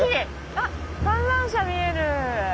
あ観覧車見える。